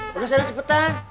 bagus ya udah cepetan